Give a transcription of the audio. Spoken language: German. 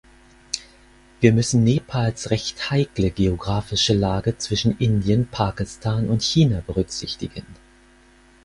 Wir müssen Nepals recht heikle geografische Lage zwischen Indien, Pakistan und China berücksichtigen.